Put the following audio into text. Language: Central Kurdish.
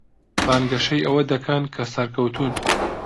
بانگەشەی ئەوە دەکەن کە سەرکەوتوون.